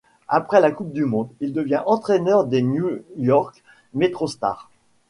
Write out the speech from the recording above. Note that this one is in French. Après la Coupe du monde il devient entraîneur des New York MetroStars.